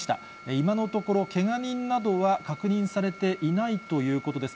今のところ、けが人などは確認されていないということです。